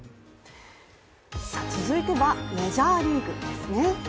続いてはメジャーリーグですね。